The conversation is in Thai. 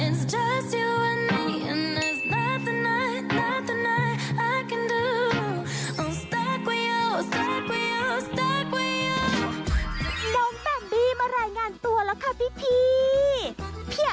น้องแต่งบี้มารายงานตัวแล้วค่ะพี่